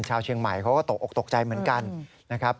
ชาวเชียงใหม่เขาก็ตกออกตกใจเหมือนกันนะครับ